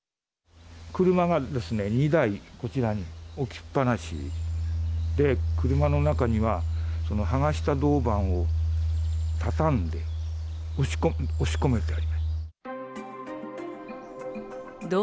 車が２台、こちらに置きっぱなしで、車の中には、剥がした銅板を畳んで、押し込めてありました。